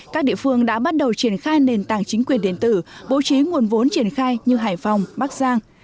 các địa phương đã bắt đầu triển khai nền tảng chính quyền điện tử bố trí nguồn vốn triển khai như hải phòng bắc giang